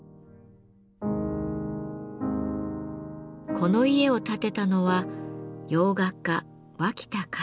この家を建てたのは洋画家脇田和。